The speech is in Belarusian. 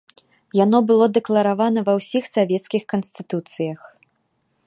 Яно было дэкларавана ва ўсіх савецкіх канстытуцыях.